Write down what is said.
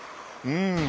うん。